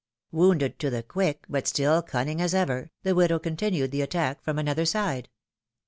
Wounded to the quick, but still cunning as ever, the widow continued the attack from another side.